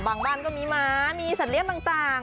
บ้านก็มีหมามีสัตว์เลี้ยงต่าง